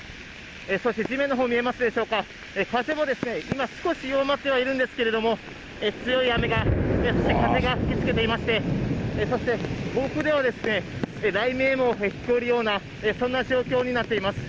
そして地面のほう見えますでしょうか、風も今、少し弱まってはいるんですけれども、強い雨と風が吹きつけていまして、そして上空では雷鳴も聞こえるような、そんな状況になっています。